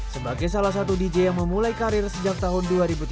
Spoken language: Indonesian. sebagai salah satu dj yang memulai karir sejak tahun dua ribu tiga belas